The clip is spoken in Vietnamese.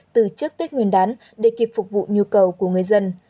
từ trước tết nguyên đán để kịp phục vụ nhu cầu của người dân